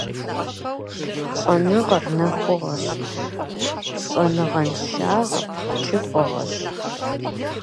Щӏэныгъэр нэхугъэщ, щӏэныгъэншагъэр кӏыфӏыгъэщ.